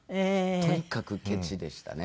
とにかくケチでしたね。